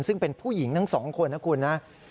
ซึ่งเป็นผู้หญิงทั้ง๒คนนะคุณนะ